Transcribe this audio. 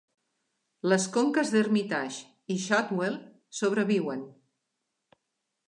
Les conques d'Hermitage i Shadwell sobreviuen.